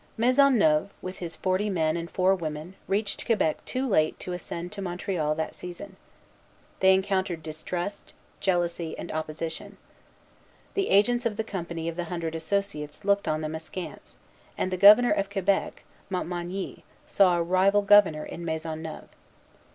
For Marguerite Bourgeoys, see her life by Faillon. Maisonneuve, with his forty men and four women, reached Quebec too late to ascend to Montreal that season. They encountered distrust, jealousy, and opposition. The agents of the Company of the Hundred Associates looked on them askance; and the Governor of Quebec, Montmagny, saw a rival governor in Maisonneuve.